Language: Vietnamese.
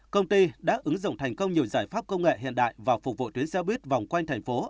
công ty đã ứng dụng thành công nhiều giải pháp công nghệ hiện đại và phục vụ tuyến xe buýt vòng quanh thành phố